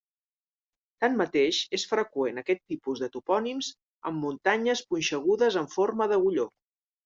Tanmateix és freqüent aquest tipus de topònims en muntanyes punxegudes amb forma d'agulló.